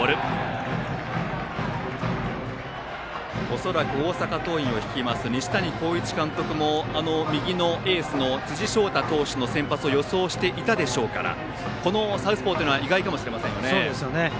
恐らく大阪桐蔭を率います西谷浩一監督も右のエースの辻晶太投手の先発を予想していたでしょうからこのサウスポーというのは意外かもしれません。